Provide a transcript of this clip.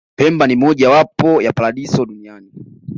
pemba ni moja wapo ya paradiso za dunia